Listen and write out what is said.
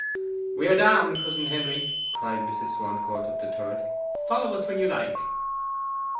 'We are down, cousin Henry,' cried Mrs. Swancourt up the turret. 'Follow us when you like.